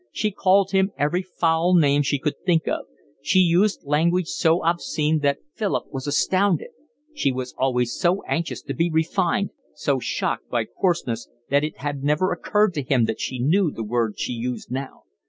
She called him every foul name she could think of. She used language so obscene that Philip was astounded; she was always so anxious to be refined, so shocked by coarseness, that it had never occurred to him that she knew the words she used now.